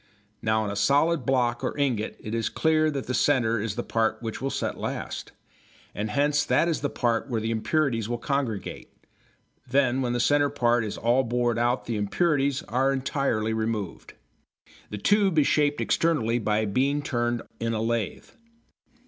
Now in a solid block or ingot it is clear that the centre is the part which will set last, and hence that is the part where the impurities will congregate. Then, when the centre part is all bored out the impurities are entirely removed. The tube is shaped externally by being turned in a lathe.